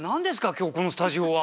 今日このスタジオは。